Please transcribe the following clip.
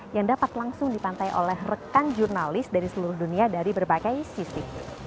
yang dapat langsung dipantai oleh rekan jurnalis dari seluruh dunia dari berbagai sisi